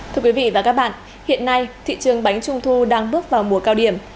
thưa quý vị và các bạn hiện nay thị trường bánh trung thu đang bước vào mùa cao điểm